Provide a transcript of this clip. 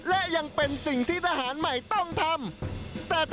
และยังเป็นสิ่งที่ทหารใหม่ต้องทำ